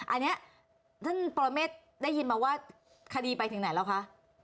อันนี้ท่านปรเมฆได้ยินมาว่าคดีไปถึงไหนแล้วคะ